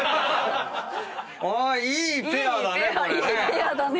あいいペアだねこれね。